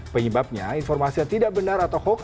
penyebabnya informasi yang tidak benar atau hoax